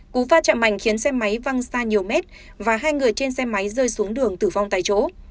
cú va chạm mạnh khiến xe máy văng xa nhiều mét và hai người trên xe máy rơi xuống đường tử vong tại chỗ